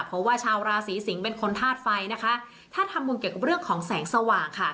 เพราะว่าชาวราศีสิงศ์เป็นคนธาตุไฟนะคะถ้าทำบุญเกี่ยวกับเรื่องของแสงสว่างค่ะ